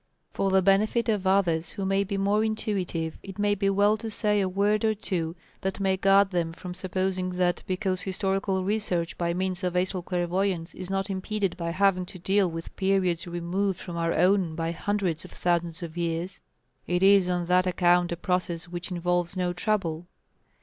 For the benefit of others who may be more intuitive it may be well to say a word or two that may guard them from supposing that because historical research by means of astral clairvoyance is not impeded by having to deal with periods removed from our own by hundreds of thousands of years, it is on that account a process which involves no trouble.